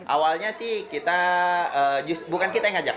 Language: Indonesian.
awalnya sih kita bukan kita yang ngajak